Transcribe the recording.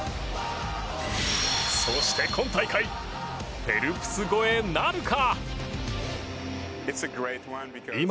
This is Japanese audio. そして、今大会フェルプス超えなるか。